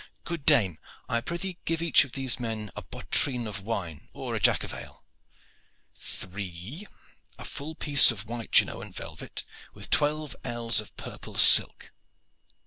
Good dame, I prythee give each of these men a bottrine of wine or a jack of ale. Three a full piece of white Genoan velvet with twelve ells of purple silk.